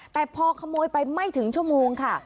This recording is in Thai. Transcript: แต่พอขโมยไปไม่ถึงชั่วโมงค่ะ